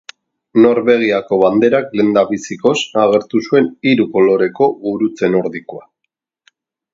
Norvegiako banderak lehendabizikoz agertu zuen hiru koloreko Gurutze Nordikoa.